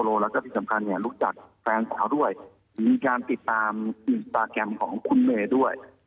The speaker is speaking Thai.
แล้วก็ที่สำคัญเนี่ยรู้จักแฟนสาวด้วยมีการติดตามอินสตาแกรมของคุณเมย์ด้วย